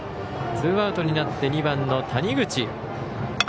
ツーアウトになって２番の谷口。